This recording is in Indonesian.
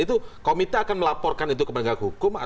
itu komite akan melaporkan itu ke penegak hukum